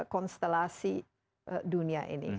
konstelasi dunia ini